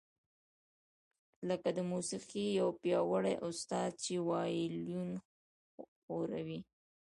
لکه د موسیقۍ یو پیاوړی استاد چې وایلون ښوروي